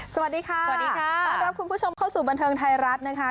สวัสดีค่ะสวัสดีค่ะต้อนรับคุณผู้ชมเข้าสู่บันเทิงไทยรัฐนะคะ